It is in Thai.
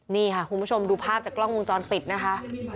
นี่ค่ะคุณผู้ชมดูภาพจากกล้องวงจรปิดนะคะ